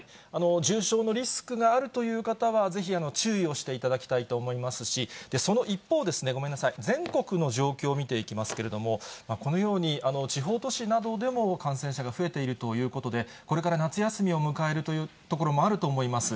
重症のリスクがあるという方は、ぜひ注意をしていただきたいと思いますし、その一方、ごめんなさい、全国の状況を見ていきますけれども、このように、地方都市などでも感染者が増えているということで、これから夏休みを迎えるという所もあると思います。